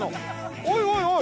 おいおいおい！